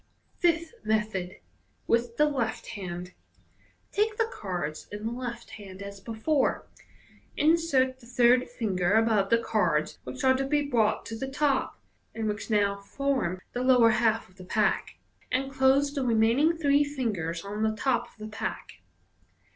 Fifth Method. (With the left hand.)— Take the cards in the left hand as before. In sert the third finger above the cards which are to be brought to the top (and which now form the lower half of the pack), and close the remaining three fingers on the top of the pack.